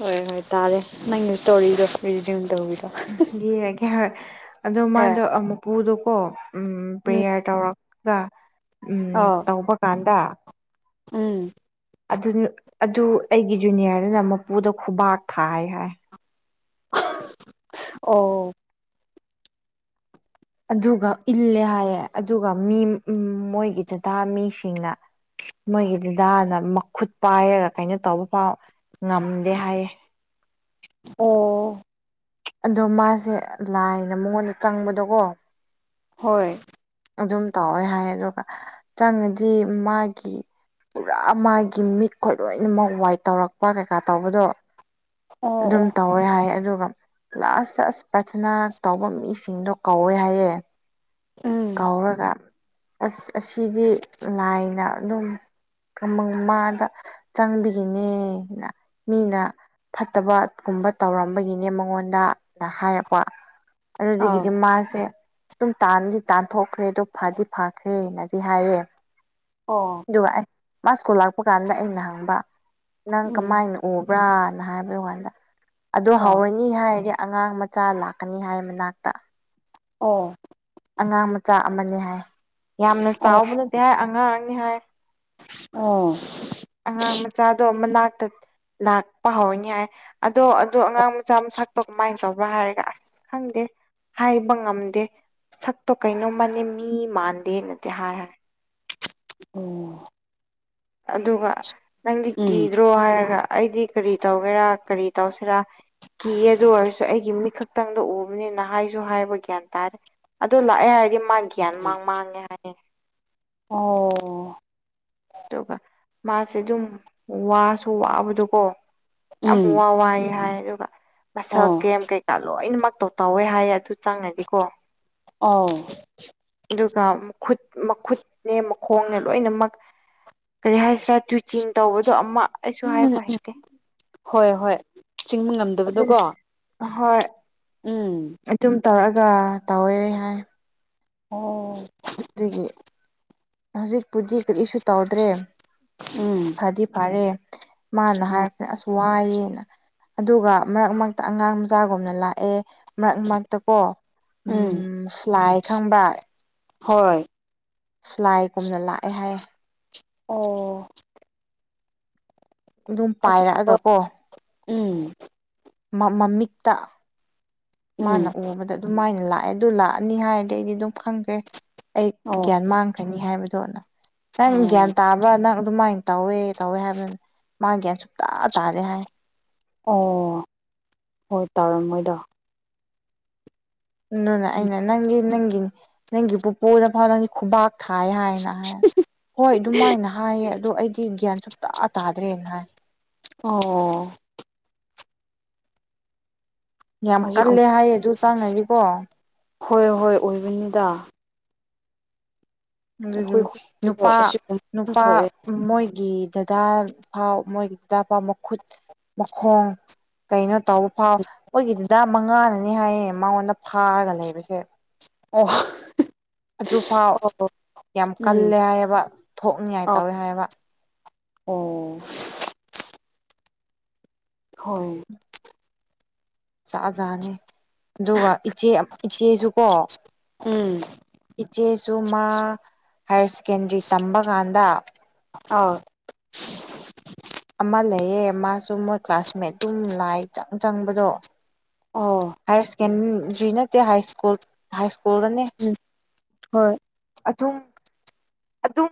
ꯍꯣꯏ ꯍꯣꯏ ꯇꯥꯔꯦ ꯅꯪꯒꯤ ꯏꯁꯇꯣꯔꯤꯗꯣ ꯔꯤꯖꯨꯝ ꯇꯧꯕꯤꯔꯣ ꯎ ꯌꯦꯔꯒꯦ ꯍꯣꯏ ꯑꯗꯣ ꯍꯣꯏ ꯃꯥꯗꯣ ꯃꯨꯄꯨꯗꯣꯀꯣ ꯎꯝ ꯄ꯭ꯔꯦꯌꯔ ꯇꯧꯔꯒ ꯑꯥ ꯇꯧꯕ ꯀꯥꯟꯗ ꯎꯝ ꯑꯗꯨ ꯑꯗꯨ ꯑꯩꯒꯤ ꯖꯨꯅꯤꯌꯔꯗꯨꯅ ꯃꯄꯨꯗ ꯈꯨꯕꯥꯛ ꯊꯥꯏ ꯍꯥꯏ ꯑꯣ ꯑꯗꯨꯒ ꯏꯜꯂꯦ ꯍꯥꯏꯌꯦꯦ ꯑꯗꯨꯒ ꯃꯤ ꯃꯣꯏꯒꯤ ꯗꯗꯥ ꯃꯤꯁꯤꯡꯅ ꯃꯣꯏꯒꯤ ꯗꯨꯗꯥꯅ ꯃꯈꯨꯠ ꯄꯥꯏꯔꯒ ꯀꯩꯅꯣ ꯇꯧꯕ ꯐꯥꯎ ꯉꯝꯗꯦ ꯍꯥꯏꯌꯦ ꯑꯣ ꯑꯗꯣ ꯃꯥꯁꯦ ꯂꯥꯏꯅ ꯃꯉꯣꯟꯗ ꯆꯪꯕꯗꯣꯀꯣ ꯍꯣꯏ ꯑꯗꯨꯝ ꯇꯧꯋꯦ ꯍꯥꯏ ꯑꯗꯨꯒ ꯆꯪꯉꯗꯤ ꯃꯥꯒꯤ ꯄꯨꯔꯥ ꯃꯥꯒꯤ ꯃꯤꯠꯈꯣ ꯂꯣꯏꯅꯃꯛ ꯋꯥꯏꯠ ꯇꯧꯔꯛꯄ ꯀꯩꯀꯥ ꯇꯧꯕꯗꯣ ꯑꯣ ꯑꯗꯨꯝ ꯑꯣ ꯇꯧꯋꯦ ꯍꯥꯏ ꯑꯗꯨꯒ ꯂꯥꯁꯇ ꯑꯁ ꯄ꯭ꯔꯔꯊꯅꯥ ꯇꯧꯕ ꯃꯤꯁꯤꯡꯗꯣ ꯀꯧꯋꯦ ꯍꯥꯏꯌꯦ ꯎꯝ ꯀꯥꯎꯔꯒ ꯑꯁ ꯑꯁꯤꯗꯤ ꯂꯥꯏꯅ ꯑꯗꯨꯝ ꯑꯃꯃꯪ ꯃꯥꯗ ꯆꯪꯕꯤꯅꯦꯅ ꯃꯤꯅ ꯐꯠꯇꯕꯒꯨꯝꯕ ꯇꯧꯔꯝꯕꯒꯤꯅꯦ ꯃꯉꯣꯟꯗꯅ ꯍꯥꯏꯔꯛꯄ ꯑꯥ ꯑꯗꯨꯗꯒꯤꯗꯤ ꯃꯥꯁꯦ ꯑꯗꯨꯝ ꯇꯥꯟꯗꯤ ꯇꯥꯟꯊꯣꯛꯈ꯭ꯔꯦꯗ ꯐꯗꯤ ꯐꯈ꯭ꯔꯦꯅꯗꯤ ꯍꯥꯏꯌꯦ ꯑꯣ ꯑꯗꯨꯒ ꯑꯩ ꯃꯥ ꯁꯀꯨꯜ ꯂꯥꯛꯄ ꯀꯥꯟꯗ ꯑꯩꯅ ꯍꯪꯕ ꯅꯪ ꯎꯝ ꯀꯃꯥꯏꯅꯣ ꯎꯕ꯭ꯔꯅ ꯍꯥꯏꯕꯒꯤ ꯋꯥ ꯀꯥꯟꯗ ꯑꯗꯨ ꯍꯧ ꯑꯥ ꯃꯤ ꯍꯥꯏꯔꯗꯤ ꯑꯉꯥꯡ ꯃꯆꯥ ꯂꯥꯛꯀꯅꯤ ꯍꯥꯏ ꯃꯅꯥꯛꯇ ꯑꯣ ꯑꯉꯥꯡ ꯃꯆꯥ ꯑꯃ ꯍꯥꯏ ꯌꯥꯝꯅ ꯑꯣ ꯆꯥꯎꯕ ꯅꯠꯇꯦ ꯍꯥꯏ ꯑꯉꯥꯡꯅꯤ ꯍꯥꯏ ꯑꯣ ꯑꯉꯥꯡ ꯃꯆꯥꯗꯣ ꯑꯃ ꯂꯥꯛꯇ ꯂꯥꯛꯄ ꯍꯧꯅꯤ ꯍꯥꯏ ꯑꯗꯣ ꯑꯗꯣ ꯑꯉꯥꯡ ꯃꯆꯥ ꯑꯃ ꯀꯃꯥꯏꯅ ꯇꯧꯕ꯭ꯔꯥ ꯍꯥꯏꯔꯒ ꯑꯁ ꯈꯪꯗꯦ ꯍꯥꯏꯕ ꯉꯝꯗꯦ ꯁꯛꯇꯣ ꯀꯩꯅꯣꯝ ꯃꯥꯥꯟꯜꯂꯤ ꯃꯤ ꯃꯥꯟꯗꯦꯅꯗꯤ ꯍꯥꯏꯔꯦ ꯎꯝ ꯑꯗꯨꯒ ꯅꯪꯗꯤ ꯎꯝ ꯀꯤꯗ꯭ꯔꯣ ꯍꯥꯏꯔꯒ ꯑꯩꯗꯤ ꯀꯔꯤ ꯇꯧꯒꯦꯔꯥ ꯀꯔꯤ ꯇꯧꯁꯤꯔꯥ ꯀꯤ ꯑꯗꯨ ꯑꯣꯏꯔꯁꯨ ꯑꯩꯒꯤ ꯃꯤꯠꯈꯛꯇꯪꯗ ꯎꯕꯅꯤꯅꯍ ꯍꯥꯏꯁꯨ ꯍꯥꯏꯕ ꯒ꯭ꯌꯥꯟ ꯇꯥꯔꯦ ꯑꯗꯨ ꯂꯥꯛꯑꯦ ꯍꯥꯏꯔꯗꯤ ꯃꯥ ꯒ꯭ꯌꯥꯟ ꯃꯥꯡ ꯃꯥꯡꯉꯦ ꯍꯥꯏ ꯑꯣ ꯑꯗꯨꯒ ꯃꯥꯁꯦ ꯑꯗꯨꯝ ꯋꯥꯁꯨ ꯋꯥꯕꯗꯣꯀꯣ ꯌꯥꯝ ꯎꯝ ꯋꯥ ꯋꯥꯏ ꯍꯥꯏ ꯑꯗꯨꯒ ꯃꯁꯛ ꯑꯣ ꯀꯦꯝ ꯀꯩ ꯂꯣꯏꯅꯃꯛꯇꯧ ꯇꯧꯋꯦ ꯍꯥꯏꯌꯦ ꯑꯗꯨ ꯆꯪꯅꯗꯤꯀꯣ ꯑꯥꯎ ꯑꯗꯨꯒ ꯃꯈꯨꯠ ꯃꯈꯨꯠꯅꯦ ꯃꯈꯣꯡꯅꯦ ꯂꯣꯏꯅꯃꯛ ꯀꯔꯤ ꯍꯥꯏꯁꯤꯔꯥ ꯇ꯭ꯋꯤꯆꯤꯡ ꯇꯧꯕꯗꯣ ꯑꯃ ꯑꯩꯁꯨ ꯎꯝ ꯍꯥꯏꯕ ꯍꯩꯇꯦ ꯍꯣꯏ ꯍꯣꯏ ꯆꯤꯡꯕ ꯑꯗꯨꯝ ꯉꯝꯗꯕꯗꯣꯀꯣ ꯍꯣꯏ ꯎꯝ ꯑꯗꯨꯝ ꯇꯧꯔ ꯑꯒ ꯇꯧꯋꯦ ꯍꯥꯏ ꯑꯣ ꯑꯗꯨꯗꯒꯤ ꯍꯧꯖꯤꯛꯄꯨꯗꯤ ꯀꯔꯤꯁꯨ ꯇꯧꯗ꯭ꯔꯦ ꯎꯝ ꯐꯗꯤ ꯐꯔꯦ ꯃꯥꯅ ꯍꯥꯏꯔꯛꯄꯗ ꯑꯁ ꯋꯥꯏꯑꯦꯅ ꯑꯗꯨꯒ ꯃꯔꯛ ꯃꯔꯛꯇ ꯑꯉꯥꯡ ꯃꯆꯥꯒꯨꯝꯅ ꯂꯥꯛꯑꯦ ꯃꯔꯛ ꯃꯔꯛꯇ ꯀꯣ ꯎꯝ ꯂꯥꯏ ꯈꯪꯕ ꯍꯣꯏ ꯂꯥꯏꯒꯨꯝꯅ ꯂꯥꯛꯑꯦ ꯍꯥꯏꯌꯦ ꯑꯣ ꯑꯗꯨꯝ ꯑꯁꯤꯒꯨꯝꯕ ꯄꯥꯏꯔꯛꯑꯒꯀꯣ ꯎꯝ ꯃꯃꯤꯛꯇ ꯃꯥꯅ ꯎꯝ ꯎꯕꯗ ꯑꯗꯨꯝ ꯃꯥꯏꯅ ꯂꯥꯛꯑꯦ ꯑꯗꯨ ꯂꯥꯛꯑꯅꯤ ꯍꯥꯏꯔꯗꯤ ꯑꯩꯗꯤ ꯑꯗꯨꯝ ꯈꯪꯈ꯭ꯔꯦ ꯑꯩ ꯑꯣ ꯒ꯭ꯌꯥꯟ ꯃꯥꯡꯈ꯭ꯔꯅꯤ ꯍꯥꯏꯕꯗꯣ ꯅꯪ ꯒ꯭ꯌꯥꯟ ꯑꯣ ꯇꯥꯕ꯭ꯔꯥ ꯅꯪ ꯑꯗꯨꯃꯥꯏꯅ ꯇꯧꯋꯦ ꯇꯧꯋꯦ ꯍꯥꯏꯕꯗꯨꯅ ꯃꯥ ꯒ꯭ꯌꯥꯟ ꯁꯨꯡꯇꯥ ꯇꯥꯥꯗꯦ ꯍꯥꯏ ꯑꯣ ꯍꯣꯏ ꯇꯥꯔꯝ ꯃꯣꯏꯗ ꯑꯗꯨꯅꯦ ꯑꯩꯅ ꯅꯪꯒꯤ ꯅꯪꯒꯤ ꯅꯪꯒꯤ ꯄꯨꯄꯨꯗ ꯐꯥꯎ ꯅꯪꯒꯤ ꯈꯨꯕꯥꯛ ꯊꯥꯏ ꯍꯥꯏꯅ ꯍꯥꯏ ꯍꯣꯏ ꯑꯗꯨꯃꯥꯏꯅ ꯍꯥꯏꯌꯦ ꯑꯗꯣ ꯑꯩꯗꯤ ꯒ꯭ꯌꯥꯟ ꯁꯨꯡꯇꯥ ꯇꯥꯗ꯭ꯔꯦ ꯍꯥꯏ ꯑꯣ ꯌꯥꯝ ꯑꯁꯤꯒꯨꯝ ꯀꯜꯂꯦ ꯍꯥꯏꯌꯦ ꯑꯗꯨ ꯆꯪꯡꯉꯥꯗꯤꯀꯣ ꯍꯣꯏ ꯍꯣꯏ ꯑꯣꯏꯕꯅꯤꯗ ꯑꯩꯈꯣꯏ ꯑꯗꯨꯗꯨꯝ ꯈꯨꯗꯣ ꯅꯨꯄꯥ ꯑꯁꯤꯒꯨꯝꯕ ꯌꯥꯝ ꯅꯨꯄꯥ ꯊꯣꯛꯑꯦ ꯃꯣꯏꯒꯤ ꯗꯗꯥ ꯄꯥꯎ ꯃꯣꯏꯒꯤ ꯗꯗꯥ ꯄꯥꯎ ꯃꯈꯨꯠ ꯃꯈꯣꯡ ꯀꯩꯅꯣ ꯇꯧꯕ ꯐꯥꯎ ꯃꯈꯣꯏꯒꯤ ꯗꯥꯗ ꯃꯥꯡꯉꯥꯅꯅꯤ ꯍꯥꯏꯌꯦ ꯃꯉꯣꯟꯗ ꯐꯥꯔꯒ ꯂꯩꯕꯁꯦ ꯑꯣ ꯑꯗꯨꯐꯥꯎ ꯑꯣ ꯌꯥꯝ ꯎꯝ ꯀꯜꯂꯦ ꯍꯥꯏꯌꯦꯕ ꯊꯣꯛꯅꯤꯉꯥꯏ ꯑ ꯇꯧꯋꯦ ꯍꯥꯏꯑꯕ ꯑꯣ ꯍꯣꯏ ꯖꯥꯠ ꯖꯠꯅꯤ ꯑꯗꯨꯒ ꯏꯆꯦ ꯏꯆꯦꯁꯨ ꯀꯣ ꯎꯝ ꯏꯆꯦꯁꯨ ꯃꯥ ꯍꯥꯏꯔ ꯁꯦꯀꯦꯟꯗ꯭ꯔꯤ ꯇꯝꯕ ꯀꯥꯟꯗ ꯑꯥꯎ ꯑꯃ ꯂꯩꯌꯦ ꯃꯥꯁꯨ ꯃꯣꯏ ꯀ꯭ꯂꯥꯁꯃꯦꯠ ꯑꯗꯨꯝ ꯂꯥꯏ ꯆꯪ ꯆꯪꯕꯗꯣ ꯑꯣ ꯍꯥꯌꯔ ꯁꯦꯀꯦꯟꯗ꯭ꯔꯤ ꯅꯠꯇꯦ ꯍꯥꯏ ꯁ꯭ꯀꯨꯜ ꯍꯥꯏ ꯁ꯭ꯀꯨꯜꯗꯅꯦ ꯎꯝ ꯍꯣꯏ ꯑꯗꯨꯝ ꯑꯗꯨꯝ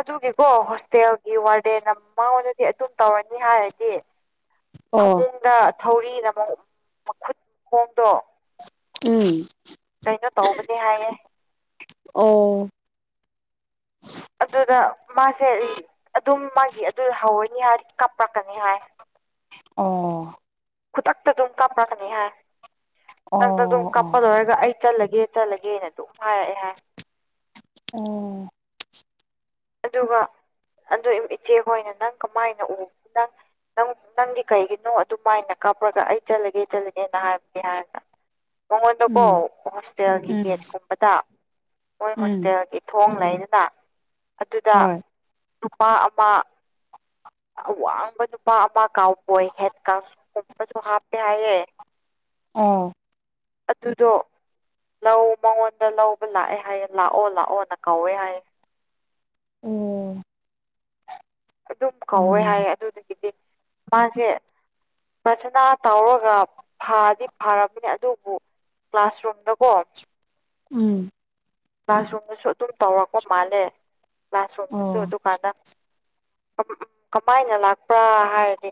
ꯑꯗꯨꯒꯤꯀꯣ ꯍꯣꯁꯇꯦꯜꯒꯤ ꯋꯥꯔꯗꯦꯟ ꯑꯃ ꯃꯉꯣꯟꯗꯗꯤ ꯑꯗꯨꯝ ꯇꯧꯔꯅꯤ ꯍꯥꯏꯔꯗꯤ ꯑꯣ ꯐꯃꯨꯡꯗ ꯊꯧꯔꯤꯅ ꯑꯃꯨꯛ ꯃꯈꯨꯠ ꯃꯈꯣꯡꯗꯣ ꯎꯝ ꯀꯩꯅꯣ ꯇꯧꯕꯅꯤ ꯍꯥꯏꯌꯦ ꯑꯣ ꯑꯗꯨꯗ ꯃꯥꯁꯦ ꯑꯩ ꯑꯗꯨꯝ ꯃꯥꯒꯤ ꯑꯗꯨ ꯍꯧꯔꯅꯤ ꯍꯥꯏ ꯀꯥꯞꯄꯛꯀꯅꯤ ꯍꯥꯏ ꯑꯣ ꯈꯨꯗꯛꯛꯇ ꯇꯨꯝ ꯀꯞꯀꯅꯤ ꯍꯥꯏ ꯑꯣ ꯍꯛꯇ ꯑꯗꯨꯝ ꯀꯞꯄ ꯑꯣ ꯂꯣꯏꯔꯒ ꯑꯩ ꯆꯠꯂꯒꯦ ꯆꯠꯂꯒꯦꯅ ꯑꯗꯨꯝ ꯍꯥꯏꯔꯛꯑꯦ ꯍꯥꯏ ꯑꯣ ꯑꯗꯨꯒ ꯑꯗꯨ ꯏꯆꯦ ꯍꯣꯏꯅ ꯅꯪ ꯀꯃꯥꯏꯅ ꯎ ꯅꯪ ꯅꯪ ꯅꯪꯒꯤ ꯀꯩꯒꯤꯅꯣ ꯑꯗꯨꯃꯥꯏꯅ ꯀꯥꯞꯄꯒ ꯑꯩ ꯆꯠꯂꯒꯦ ꯆꯠꯂꯒꯦꯅ ꯍꯥꯏꯕꯒꯦ ꯍꯥꯏꯔꯒ ꯃꯉꯣꯟꯗꯀꯣ ꯎꯝ ꯍꯣꯁꯇꯦꯜꯒꯤ ꯎꯝ ꯒꯦꯠꯀꯨꯝꯕꯗ ꯃꯣꯏ ꯎꯝ ꯍꯣꯁꯇꯦꯜꯒꯤ ꯊꯣꯡ ꯂꯩꯗꯅ ꯑꯗꯨꯗ ꯍꯣꯏ ꯅꯨꯄꯥ ꯑꯃ ꯑꯋꯥꯡꯕ ꯅꯨꯄꯥ ꯑꯃ ꯀꯥꯎꯕꯣꯏ ꯍꯦꯠ ꯀꯒꯨꯝꯕꯁꯨ ꯍꯥꯞꯄꯦ ꯍꯥꯏꯌꯦꯦ ꯑꯣ ꯑꯗꯨꯗꯣ ꯂꯧ ꯃꯉꯣꯟꯗ ꯂꯧꯕ ꯂꯥꯛꯑꯦ ꯍꯥꯏꯌꯦ ꯂꯥꯛꯑꯣ ꯂꯥꯛꯑꯣꯅ ꯀꯧꯋꯦ ꯍꯥꯏꯌꯦꯦ ꯑꯣ ꯎꯝ ꯑꯗꯨꯝ ꯀꯧꯋꯦ ꯍꯥꯏ ꯑꯗꯨꯗꯒꯤꯗꯤ ꯃꯥꯁꯦ ꯄꯁꯅꯥ ꯇꯧꯔꯒ ꯐꯗꯤ ꯐꯔꯝꯝꯕꯅꯤ ꯑꯗꯨꯕꯨ ꯀ꯭ꯂꯥꯁꯔꯨꯝꯗꯀꯣ ꯎꯝ ꯀ꯭ꯂꯥꯁꯔꯨꯝꯗꯁꯨ ꯑꯗꯨꯝ ꯇꯧꯔꯛꯄ ꯃꯥꯜꯂꯦ ꯀ꯭ꯂꯥꯁꯔꯨꯝꯗꯁꯨ ꯑꯣ ꯑꯗꯨꯀꯥꯟꯗ ꯎ ꯀꯃꯥꯏꯅ ꯂꯥꯛꯄ꯭ꯔꯥ ꯍꯥꯏꯔꯗꯤ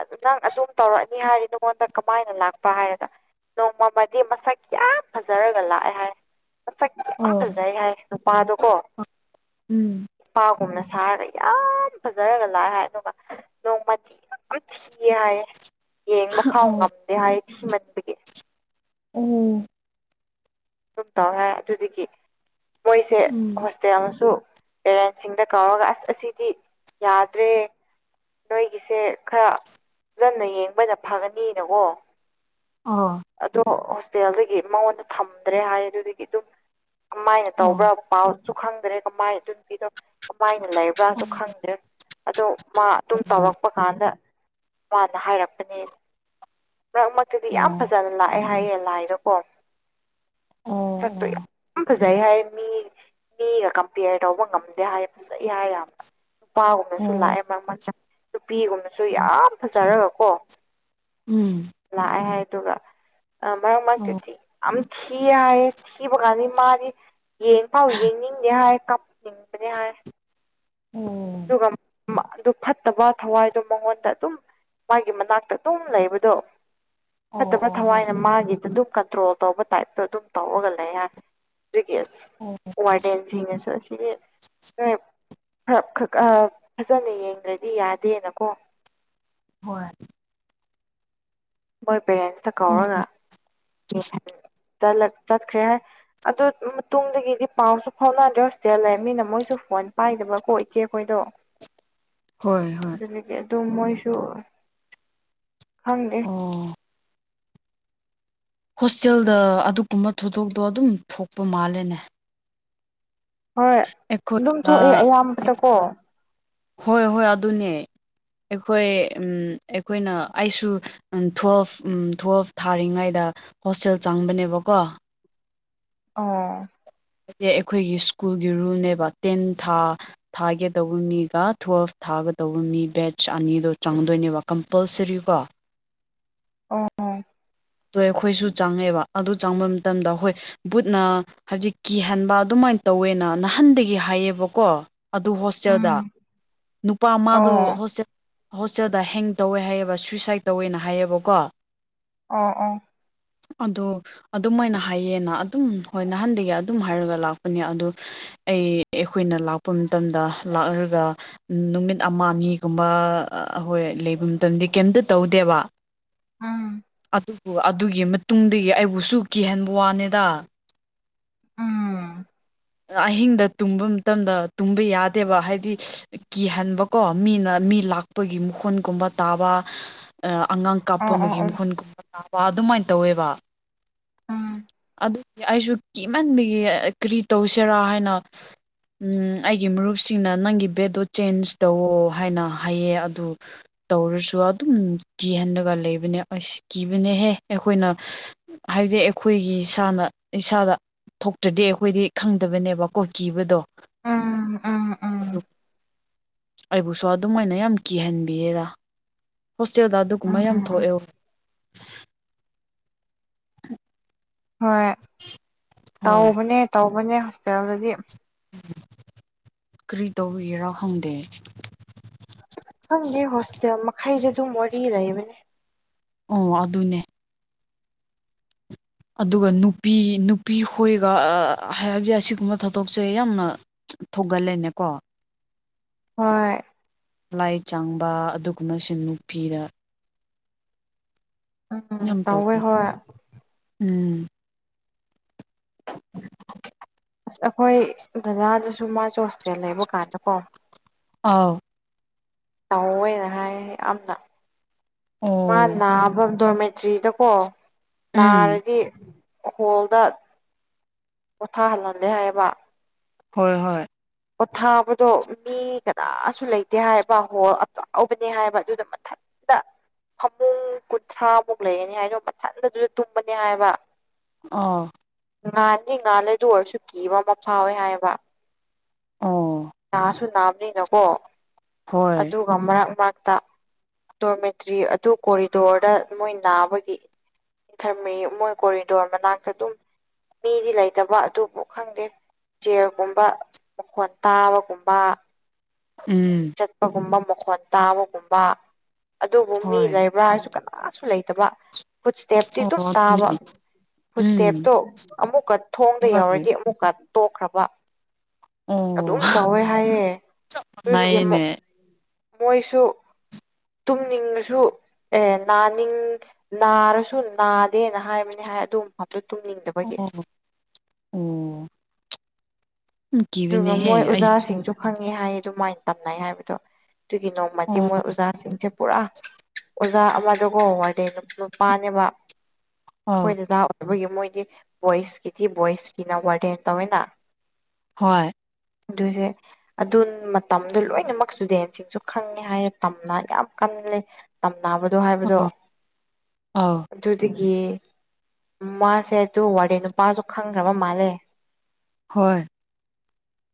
ꯑꯗꯨ ꯅꯪ ꯑꯗꯨꯝ ꯇꯧꯔꯛꯑꯅꯤ ꯍꯥꯏꯔꯤ ꯅꯉꯣꯟꯗ ꯀꯃꯥꯏꯅ ꯂꯥꯛꯄ ꯍꯥꯏꯔꯒ ꯅꯣꯡꯃꯃꯗꯤ ꯃꯁꯛ ꯌꯥꯝ ꯌꯥꯝ ꯐꯖꯔꯒ ꯂꯥꯛꯑꯦ ꯍꯥꯏ ꯃꯁꯛ ꯀꯌꯥꯝ ꯑꯣ ꯐꯖꯥꯏ ꯍꯥꯏ ꯅꯨꯄꯥꯗꯣ ꯀꯣ ꯎꯝ ꯏꯄꯥꯒꯨꯝꯅ ꯁꯥꯔꯒ ꯌꯥꯝ ꯐꯖꯔꯒ ꯂꯥꯛꯑꯦ ꯍꯥꯏ ꯑꯗꯨꯒ ꯅꯣꯡꯃꯗꯤ ꯌꯥꯝ ꯊꯤꯌꯦ ꯍꯥꯏꯌꯦ ꯌꯦꯡꯕ ꯐꯥꯎ ꯑꯣ ꯉꯝꯗꯦ ꯍꯥꯏ ꯊꯤꯃꯟꯕꯒꯤ ꯑꯣꯝ ꯑꯗꯨꯝ ꯇꯧꯍꯦ ꯑꯗꯨꯗꯒꯤ ꯃꯣꯏꯁꯦ ꯎꯝ ꯍꯣꯁꯇꯦꯜꯁꯨ ꯄꯦꯔꯦꯟꯁꯤꯡꯗ ꯀꯧꯔꯒ ꯑꯁ ꯑꯁꯤꯗꯤ ꯌꯥꯗ꯭ꯔꯦ ꯅꯣꯏꯒꯤꯁꯦ ꯈꯔ ꯐꯖꯟꯅ ꯌꯦꯡꯕꯅ ꯐꯒꯅꯤꯅꯀꯣ ꯑꯣ ꯑꯣ ꯑꯗꯣ ꯍꯣꯁꯇꯦꯜꯗꯒꯤ ꯃꯉꯣꯟꯗ ꯊꯝꯗ꯭ꯔꯦ ꯍꯥꯏ ꯑꯗꯨꯗꯒꯤ ꯑꯗꯨꯝ ꯀꯃꯥꯏꯅ ꯇꯧꯕ꯭ꯔꯥ ꯑꯣ ꯄꯥꯎꯁꯨ ꯈꯪꯗ꯭ꯔꯦ ꯀꯃꯥꯏꯅ ꯑꯗꯨꯅ ꯄꯤꯗ ꯀꯃꯥꯏꯅ ꯂꯩꯕ꯭ꯔꯥꯁꯨ ꯈꯪꯗꯦ ꯑꯗꯣ ꯃꯥ ꯑꯗꯨꯝ ꯇꯧꯔꯛꯄ ꯀꯥꯟꯗ ꯃꯥꯅ ꯍꯥꯏꯔꯛꯄꯅꯦ ꯃꯔꯛ ꯃꯔꯛꯇꯗꯤ ꯌꯥꯝ ꯑꯣ ꯐꯖꯅ ꯂꯥꯛꯑꯦ ꯍꯥꯏꯌꯦ ꯂꯥꯏꯗꯀꯣ ꯑꯣ ꯆꯛꯇꯣ ꯑꯣ ꯌꯥꯝ ꯐꯖꯩ ꯍꯥꯏ ꯃꯤ ꯃꯤꯒ ꯀꯝꯄꯦꯌꯔ ꯇꯧꯕ ꯉꯝꯗꯦ ꯍꯥꯏꯕꯁ ꯌꯥꯏ ꯌꯥꯝꯕ ꯅꯨꯄꯥꯒꯨꯝꯕꯁꯨ ꯑꯣ ꯂꯥꯛꯑꯦ ꯃꯔꯛ ꯅꯨꯄꯤꯒꯨꯝꯕꯁꯨ ꯌꯥꯝ ꯐꯖꯔꯒꯀꯣ ꯎꯝ ꯂꯥꯛꯑꯦ ꯍꯥꯏ ꯑꯗꯨꯒ ꯃꯔꯛ ꯑꯣ ꯃꯔꯛꯇꯗꯤ ꯌꯥꯝ ꯊꯤ ꯍꯥꯏꯌꯦ ꯊꯤꯕ ꯀꯥꯟꯗ ꯃꯥꯗꯤ ꯌꯦꯡ ꯄꯥꯎ ꯌꯦꯡꯅꯤꯡꯗꯦ ꯍꯥꯏ ꯀꯥꯞꯅꯤꯡꯕꯅꯦ ꯍꯥꯏ ꯑꯣꯝ ꯑꯗꯨꯒ ꯑꯗꯨ ꯐꯠꯇꯕ ꯊꯋꯥꯏꯗꯣ ꯃꯉꯣꯟꯗ ꯑꯗꯨꯝ ꯃꯥꯒꯤ ꯃꯅꯥꯛꯇ ꯑꯗꯨꯝ ꯂꯩꯕꯗꯣ ꯑꯣ ꯐꯠꯇꯕ ꯑꯣ ꯊꯋꯥꯏꯅ ꯃꯥꯒꯤꯗ ꯑꯗꯨꯝ ꯀꯟꯇ꯭ꯔꯣꯜ ꯑ ꯇꯧꯕ ꯇꯥꯏꯞꯇꯣ ꯑꯗꯨꯝ ꯇꯧꯔꯒ ꯂꯩ ꯍꯥꯏꯔꯦ ꯑꯗꯨꯒꯤ ꯑꯁ ꯑꯣ ꯍꯣꯏ ꯑꯣ ꯋꯥꯔꯗꯦꯟꯁꯤꯡꯅꯁꯨ ꯑꯁꯤꯒꯤꯣꯏ ꯈꯔꯈꯛ ꯐꯖꯅ ꯌꯦꯡꯗ꯭ꯔꯗꯤ ꯌꯥꯗꯦꯅꯀꯣ ꯍꯣꯏ ꯃꯣꯏ ꯄꯦꯔꯦꯟꯁꯇ ꯎꯝ ꯀꯧꯔꯒ ꯆꯠꯈ꯭ꯔꯦ ꯍꯥꯏ ꯑꯗꯨ ꯃꯇꯨꯡꯗꯒꯤꯗꯤ ꯄꯥꯎꯁꯨ ꯐꯥꯎꯅꯗ꯭ꯔꯦꯖꯤꯇꯦꯜ ꯂꯩ ꯃꯤꯅ ꯃꯣꯏꯁꯨ ꯐꯣꯟ ꯄꯥꯏꯗꯕ ꯀꯣꯏ ꯏꯆꯦꯈꯣꯏꯗꯣ ꯍꯣꯏ ꯍꯣꯏ ꯑꯗꯨꯗꯒꯤ ꯑꯗꯨꯝ ꯃꯣꯏꯁꯨ ꯈꯪꯗꯦ ꯑꯣ ꯍꯣꯁꯇꯦꯜꯗ ꯑꯗꯨꯒꯨꯝꯕ ꯊꯧꯗꯣꯛꯇꯣ ꯑꯗꯨꯝ ꯊꯣꯛꯄ ꯃꯥꯜꯂꯦꯅꯦ ꯍꯣꯏ ꯑꯩꯈꯣꯏ ꯑꯗꯨꯝ ꯊꯣꯛꯑꯦ ꯑ, ꯑꯌꯥꯝꯕꯗꯀꯣ ꯍꯣꯏ ꯍꯣꯏ ꯑꯗꯨꯅꯦ ꯑꯩꯈꯣꯏ ꯎ ꯑꯩꯈꯣꯏꯅ ꯑꯩꯁꯨ ꯎꯝ ꯇ꯭ꯋꯦꯜꯐ ꯎꯝ ꯇꯨꯋꯦꯜꯐ ꯊꯥꯔꯤꯉꯩꯗ ꯍꯣꯁꯇꯦꯜ ꯆꯪꯕꯅꯦꯕꯀꯣ ꯑꯥ ꯑ ꯑꯩꯈꯣꯏꯒꯤ ꯁ꯭ꯀꯨꯜꯒꯤ ꯔꯨꯜꯅꯦꯕ ꯇꯦꯟ ꯊꯥ ꯊꯥꯒꯗꯧꯕ ꯃꯤꯒ ꯇꯨꯋꯦꯜꯐ ꯊꯥꯒꯗꯧꯕ ꯃꯤ ꯕꯦꯠꯆ ꯑꯅꯤꯗꯣ ꯆꯪꯗꯣꯏꯅꯦꯕ ꯀꯝꯄꯜꯁꯔꯤ ꯀꯣ ꯑꯣ ꯑꯗꯣ ꯑꯩꯈꯣꯏꯁꯨ ꯆꯪꯉꯦꯕ ꯑꯗꯨ ꯆꯪꯕ ꯃꯇꯝꯗ ꯍꯣꯏ ꯕꯨꯠꯅ ꯍꯥꯏꯕꯗꯤ ꯀꯤꯍꯟꯕ ꯑꯗꯨꯃꯥꯏꯅ ꯇꯧꯋꯦꯅ ꯅꯍꯥꯟꯗꯒꯤ ꯍꯥꯏꯌꯦꯕꯀꯣ ꯑꯗꯨ ꯍꯣꯁꯇꯦꯜꯗ ꯎꯝ ꯅꯨꯄꯥ ꯑꯣ ꯃꯥꯗꯣ ꯍꯣꯁꯇꯦꯜ ꯍꯣꯁꯇꯦꯜꯗ ꯍꯦꯡ ꯇꯧꯋꯦ ꯍꯥꯏꯌꯦꯕ ꯁꯨꯋꯏꯁꯥꯏꯠ ꯇꯧꯋꯦꯅ ꯍꯥꯏꯌꯦꯕꯀꯣ ꯑꯥ ꯑꯥ ꯑꯗꯣ ꯑꯗꯨꯝ ꯑꯣꯏꯅ ꯍꯥꯏꯌꯦꯅ ꯑꯗꯨꯝ ꯍꯣꯏ ꯅꯍꯥꯟꯗꯒꯤ ꯑꯗꯨꯝ ꯍꯥꯏꯔꯒ ꯂꯥꯛꯄꯅꯦ ꯑꯗꯨ ꯑꯩ ꯑꯩꯈꯣꯏꯅ ꯂꯥꯛꯄ ꯃꯇꯝꯗ ꯂꯥꯛꯑꯒ ꯅꯨꯃꯤꯠ ꯑꯃ ꯑꯅꯤꯒꯨꯝꯕ ꯑꯩꯈꯣꯏ ꯂꯩꯕ ꯃꯇꯝꯗꯤ ꯀꯩꯇ ꯇꯧꯗꯦꯕ ꯎꯝ ꯑꯗꯨꯕꯨ ꯑꯗꯨꯒꯤ ꯃꯇꯨꯡꯗꯒꯤ ꯑꯩꯕꯨꯁꯨ ꯀꯤꯍꯟꯕ ꯋꯥꯅꯤꯗ ꯎꯝ ꯑꯍꯤꯡꯗ ꯇꯨꯝꯕ ꯃꯇꯝꯗ ꯇꯨꯝꯕ ꯌꯥꯗꯦꯕ ꯍꯥꯏꯗꯤ ꯀꯤꯍꯟꯕꯀꯣ ꯃꯤꯅ ꯃꯤ ꯂꯥꯛꯄꯒꯤ ꯃꯈꯨꯣꯟꯒꯨꯝꯕ ꯇꯥꯕ ꯑꯉꯥꯡ ꯀꯥꯞꯄ ꯑꯣ ꯑꯣ ꯑꯃꯒꯤꯒꯤ ꯑꯣ ꯃꯈꯨꯟꯒꯨꯝꯕ ꯀꯥꯕ ꯑꯗꯨꯃꯥꯏꯅ ꯇꯧꯋꯦꯕ ꯎꯝ ꯑꯗꯨ ꯑꯩꯁꯨ ꯀꯤꯃꯟ ꯀꯔꯤ ꯇꯧꯁꯤꯔꯥ ꯍꯥꯏꯅ ꯎꯝ ꯑꯩꯒꯤ ꯃꯔꯨꯞꯁꯤꯡꯅ ꯅꯪꯒꯤ ꯕꯦꯗꯣ ꯆꯦꯟꯖ ꯇꯧꯋ ꯍꯥꯏꯅ ꯍꯥꯏꯌꯦ ꯑꯗꯨ ꯇꯧꯔꯁꯨ ꯑꯗꯨꯝ ꯀꯤꯍꯟꯂꯒ ꯂꯩꯕꯅꯦ ꯑꯁ ꯀꯤꯕꯅꯦꯍꯦ ꯑꯩꯈꯣꯏꯅ ꯍꯥꯏꯗꯤ ꯑꯩꯈꯣꯏꯒꯤ ꯏꯁꯥꯅ ꯏꯁꯥꯗ ꯊꯣꯛꯇ꯭ꯔꯗꯤ ꯑꯩꯈꯣꯏꯗꯤ ꯈꯪꯗꯕꯅꯦꯕ ꯀꯣ ꯀꯤꯕꯗꯣ ꯑꯥ ꯎꯝ ꯎꯝ ꯑꯩꯕꯨꯁꯨ ꯑꯗꯨꯝꯥꯏꯅ ꯌꯥꯝ ꯀꯤꯍꯟꯕꯤꯌꯦꯗ ꯍꯣꯁꯇꯦꯜꯗ ꯎꯝ ꯑꯗꯨꯒꯨꯝꯕ ꯌꯥꯝ ꯎꯝ ꯊꯣꯛꯑꯦꯎ ꯍ ꯍꯣꯏ ꯇꯧꯕꯅꯦ ꯇꯧꯕꯅꯦ ꯍꯣꯁꯄꯤꯇꯦꯜꯗꯗꯤ ꯎ ꯀꯔꯤ ꯇꯧꯔꯤꯒꯦꯔꯣ ꯈꯪꯗꯦ ꯈꯪꯗꯦ ꯍꯣꯁꯇꯦꯜ ꯃꯈꯩꯗꯤ ꯑꯗꯨꯝ ꯃ ꯂꯩꯕꯅꯦ ꯑꯣ ꯑꯗꯨꯅꯦ ꯑꯗꯨꯒ ꯅꯨꯄꯤ ꯅꯨꯄꯤ ꯈꯣꯏꯒ ꯍꯥꯏꯕꯗꯤ ꯑꯁꯤꯒꯨꯝꯕ ꯊꯗꯣꯛꯁꯦ ꯌꯥꯝꯅ ꯊꯧꯒꯜꯂꯦꯅꯦ ꯀꯣ ꯍꯣꯏ ꯂꯥꯏ ꯆꯥꯡꯕ ꯑꯗꯨꯒꯨꯝꯕ ꯁꯤꯟ ꯅꯨꯄꯤꯗ ꯎꯝ ꯉꯝ ꯇꯧꯋꯦ ꯇꯧꯒ ꯍꯣꯏ ꯎꯝ ꯑꯁ ꯑꯩꯈꯣꯏ ꯖꯥꯗꯁꯨ ꯃꯥꯁꯨ ꯍꯣꯁꯇꯦꯜ ꯂꯩꯕ ꯀꯥꯟꯗ ꯀꯣ ꯑꯥꯎ ꯇꯧꯑꯣꯦꯅ ꯍꯥꯏ ꯌꯥꯝꯅ ꯃꯥ ꯑꯣ ꯅꯥꯕ ꯗꯣꯔꯃꯦꯇ꯭ꯔꯤꯗꯀꯣ ꯎꯝ ꯅꯥꯔꯗꯤ ꯍꯣꯜꯗ ꯄꯣꯊꯥꯍꯜꯂꯝꯂꯦ ꯍꯥꯏꯌꯦꯕ ꯍꯣꯏ ꯍꯣꯏ ꯄꯣꯊꯥꯕꯗꯣ ꯃꯤ ꯀꯅꯥꯁꯨ ꯂꯩꯇꯦ ꯍꯥꯏꯕ ꯍꯣꯜ ꯑꯇꯥꯎꯕꯅꯦ ꯍꯥꯏꯕ ꯑꯗꯨꯗ ꯃꯊꯠ [unintelligible] ꯐꯃꯨꯡ ꯀꯨꯟꯊ꯭ꯔꯥꯃꯨꯛ ꯂꯩꯔꯅꯤ ꯍꯥꯏꯗꯣ ꯃꯊꯟꯟꯅ ꯑꯗꯨꯗ ꯇꯨꯝꯕꯅꯦ ꯍꯥꯏꯕ ꯑ ꯉꯥꯅꯤ ꯉꯥꯂꯗ ꯑꯣꯏꯔꯁꯨ ꯀꯤꯕ ꯑꯃ ꯐꯥꯎꯋꯦ ꯍꯥꯏꯕ ꯑꯣ ꯥꯁꯨ ꯅꯥꯕꯅꯤꯅꯀꯣ ꯑꯗꯨ ꯍꯣꯏ ꯑꯗꯨꯒ ꯃꯔꯛ ꯃꯔꯛꯇ ꯇꯣꯔꯃꯦꯇꯔꯤ ꯑꯗꯨ ꯀꯣꯔꯤꯗꯣꯔꯗ ꯃꯣꯏ ꯅꯥꯕꯒꯤ ꯊꯔꯃꯔꯤ ꯃꯣꯏ ꯀꯣꯔꯤꯗꯣꯔ ꯃꯅꯥꯛꯇ ꯑꯗꯨꯝ ꯃꯤꯗꯤ ꯂꯩꯇꯕ ꯑꯗꯨꯕꯨ ꯈꯪꯗꯦ ꯆꯤꯌꯔꯒꯨꯝꯕ ꯃꯈꯣꯟꯜ ꯇꯥꯕꯒꯨꯝꯕ ꯎꯝ ꯆꯠꯄꯒꯨꯝꯕ ꯃꯈꯣꯟꯠ ꯇꯥꯕꯒꯨꯝꯕ ꯑꯗꯨꯕꯨ ꯃꯤ ꯍꯣꯏ ꯂꯩꯕ꯭ꯔꯥ ꯍꯥꯏꯁꯨ ꯀꯩꯅꯣ ꯑꯥꯁꯨ ꯂꯩꯇꯕ ꯐꯨꯠꯁꯇꯦꯞꯇꯤ ꯑꯣ ꯑꯗꯨꯝ ꯇꯥꯕ ꯑꯗꯨꯅꯦ ꯎꯝ ꯐꯨꯠꯁꯇꯦꯞꯇꯣ ꯑꯃꯨꯛꯀ ꯊꯣꯡꯗ ꯍꯣꯏ ꯌꯎꯔꯗꯤ ꯃꯀꯥ ꯇꯣꯛꯈ꯭ꯔꯕ ꯑꯣ ꯑꯗꯨꯝ ꯇꯧꯋꯦ ꯍꯥꯏꯌꯦꯦ ꯑꯗꯨ ꯅꯥꯏꯌꯦꯅꯦ ꯃꯣꯏꯁꯨ ꯇꯨꯝꯅꯤꯡꯉꯁꯨ ꯑꯦ ꯅꯥꯅꯤꯡ ꯅꯥꯔꯁꯨ ꯅꯥꯗꯦꯅ ꯍꯥꯏꯕꯅꯤ ꯍꯥꯏ ꯑꯗꯨꯝ ꯑꯇ ꯇꯨꯅꯤꯡꯗꯕꯒꯤ ꯑꯣ ꯑꯣ ꯌꯥꯝ ꯑꯗꯨꯒ ꯃꯣꯏ ꯀꯤꯕꯅꯦꯍꯦ ꯑꯩ ꯑꯣꯖꯥꯁꯤꯡꯁꯨ ꯈꯪꯉꯦ ꯍꯥꯏ ꯑꯗꯨꯃꯥꯏꯅ ꯇꯝꯅꯩ ꯍꯥꯏꯕꯗꯣ ꯑꯗꯨꯒꯤ ꯅꯣꯡꯃꯗꯤ ꯑꯣ ꯃꯣꯏ ꯑꯣꯖꯥꯁꯤꯡꯁꯦ ꯄꯨꯔꯥ ꯑꯣꯖꯥ ꯑꯃꯗꯨꯒ ꯍꯣꯡꯉꯗꯤ ꯅꯨꯄꯥꯅꯦꯕ ꯑꯣ ꯑꯩꯈꯣꯏꯅ ꯂꯥ ꯑꯣꯏꯕꯒꯤ ꯃꯣꯏꯗꯤ ꯚꯣꯏꯁꯀꯤꯗꯤ ꯚꯣꯏꯁꯀꯤꯅ ꯋꯥꯔꯗꯦꯟ ꯇꯧꯋꯦꯅ ꯍꯣꯏ ꯑꯗꯨꯁꯦ ꯑꯗꯨ ꯃꯇꯝꯗꯨꯣ ꯂꯣꯏꯅꯃꯛ ꯏꯁꯇꯨꯗꯦꯟꯁꯤꯡꯁꯨ ꯈꯪꯉꯦ ꯍꯥꯏꯌꯦ ꯇꯝꯅ ꯌꯥꯝ ꯀꯜꯂꯦ ꯇꯝꯅꯕꯗꯣ ꯍꯥꯏꯕꯗꯣ ꯑꯣ ꯑꯧ ꯑꯗꯨꯗꯒꯤ ꯃꯥꯁꯦ ꯑꯗꯨ ꯋꯥꯦ ꯅꯨꯄꯥꯁꯨ ꯈꯪꯈ꯭ꯔꯕ ꯃꯥꯜꯂꯦ ꯍꯣꯏ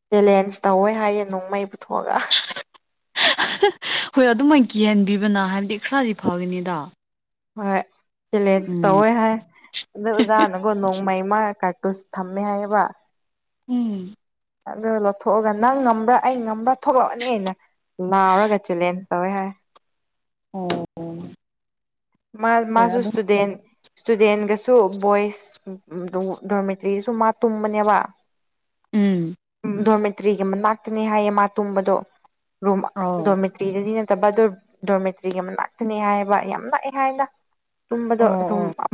ꯆꯦꯂꯦꯟꯖ ꯇꯧꯋꯦ ꯍꯥꯏꯌꯦ ꯅꯨꯡꯃꯩ ꯄꯨꯊꯣꯛꯑꯒ ꯍꯣꯏ ꯑꯗꯨꯃ ꯀꯤꯍꯟꯕꯤꯕꯅ ꯍꯥꯏꯕꯗꯤ ꯈꯔꯗꯤ ꯐꯒꯅꯤꯗꯣ ꯍꯣꯏ ꯆꯂꯦꯟꯖ ꯇꯧꯋꯦ ꯍꯥꯏ ꯑꯗ ꯑꯣꯖꯥꯅꯒꯣ ꯅꯣꯡꯃꯩꯃ ꯀꯥꯔꯇꯨꯁ ꯊꯝꯃꯦ ꯍꯥꯏꯌꯦꯕ ꯎꯝ ꯑꯗꯨ ꯂꯧꯊꯣꯛꯑꯒ ꯅꯪ ꯉꯝꯕ꯭ꯔꯥ ꯑꯩ ꯉꯝꯕ꯭ꯔꯥ ꯊꯣꯛꯂꯛꯑꯅꯤꯅ ꯂꯥꯎꯔꯒ ꯆꯦꯂꯦꯟꯖ ꯇꯧꯋꯦ ꯍꯥꯏ ꯑꯣ ꯃꯥ ꯍꯣꯏ ꯑꯗꯨꯝ ꯃꯥꯁꯨꯁꯇꯨꯗꯦꯟ ꯏꯁꯇꯨꯗꯦꯟꯒꯁꯨ ꯕꯣꯏꯁ ꯗꯣꯔꯃꯦꯇ꯭ꯔꯤꯗꯁꯨ ꯃꯥ ꯇꯨꯝꯕꯅꯦꯕ ꯎꯝ ꯗꯣꯔꯃꯦꯇ꯭ꯔꯤꯒꯤ ꯃꯅꯥꯛꯇꯅꯤ ꯍꯥꯏꯌꯦ ꯃꯥ ꯇꯨꯝꯕꯗꯣ ꯔꯨꯝ ꯑꯧ ꯗꯃꯦꯇꯔꯤ ꯇ꯭ꯔꯤꯗꯗꯤ ꯅꯠꯇꯕ ꯑ ꯗꯣꯔꯃꯦꯇ꯭ꯔꯤꯒꯤ ꯑꯃꯅꯥꯛꯇꯅꯦ ꯍꯥꯏꯕ ꯌꯥꯝ ꯂꯥꯛꯑꯦ ꯍꯥꯏꯅ ꯑꯣ ꯑꯣ [unintelligible]